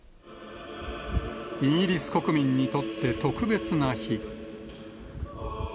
イギリス国民にとって特別な日。